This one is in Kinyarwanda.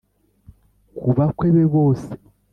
ku bakwe be bose